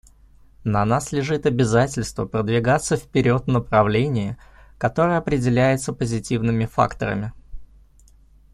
На нас лежит обязательство продвигаться вперед в направлении, которое определяется позитивными факторами.